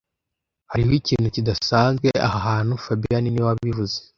Hariho ikintu kidasanzwe aha hantu fabien niwe wabivuze